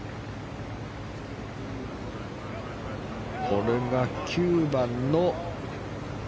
これが９番の。